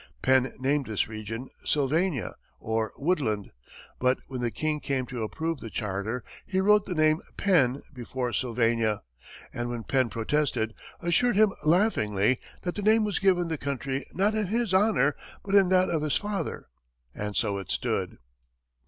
Penn named this region "Sylvania," or "Woodland," but when the King came to approve the charter, he wrote the name "Penn" before "Sylvania," and when Penn protested, assured him laughingly that the name was given the country not in his honor but in that of his father, and so it stood.